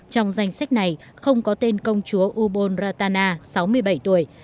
trong danh sách này không có tên công chúa ubon ratana sáu mươi bảy tuổi